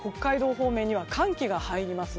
方面には寒気が入ります。